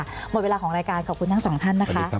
หมดเวลาของรายการขอบคุณทั้งสองท่านนะคะ